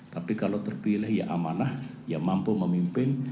tapi kalau terpilih ya amanah ya mampu memimpin